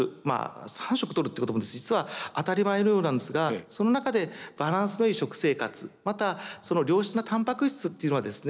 ３食とるっていうことも実は当たり前のようなんですがその中でバランスのいい食生活またその良質なたんぱく質っていうのはですね